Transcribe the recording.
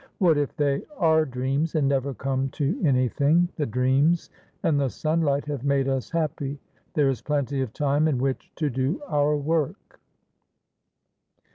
What if they are dreams and never come to anything; the dreams and the sunlight have made us happy; there is plenty of time in which to do our work."